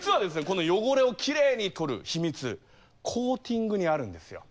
この汚れをきれいに取る秘密コーティングにあるんですよ。